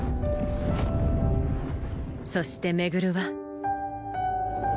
そして廻は